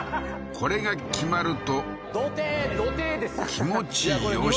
これが決まると気持ちよし